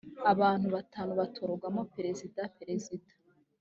abantu batanu batorwamo perezida perezida